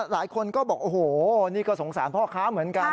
หลายคนก็บอกโอ้โหนี่ก็สงสารพ่อค้าเหมือนกัน